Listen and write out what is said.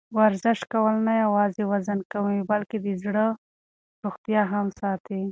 ورزش کول نه یوازې وزن کموي، بلکې د زړه روغتیا هم ساتي.